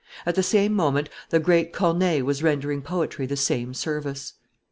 At the same moment the great Corneille was rendering poetry the same service.